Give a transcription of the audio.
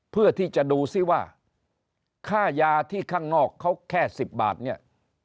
เพื่อที่จะดูซิว่าค่ายาที่ข้างนอกเขาแค่๑๐บาทเนี่ย